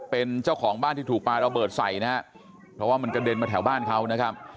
เป็นเจ้าของบ้านที่ถูกปลาระเบิดใส่นะฮะเพราะว่ามันกระเด็นมาแถวบ้านเขานะครับ